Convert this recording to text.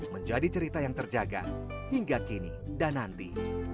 menjadi cerita yang terjaga hingga kini dan nanti